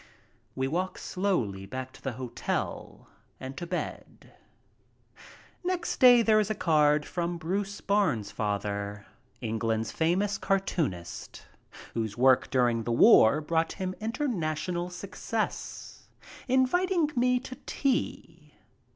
We walk slowly back to the hotel and to bed. Next day there is a card from Bruce Bairnsfather, England's famous cartoonist, whose work during the war brought him international success, inviting me to tea.